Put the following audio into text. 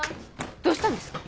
どうしたんですか？